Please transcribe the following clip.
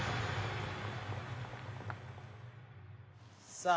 さあ。